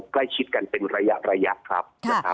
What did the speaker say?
ใกล้ชิดกันเป็นระยะครับ